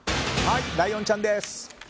ライオンちゃんです。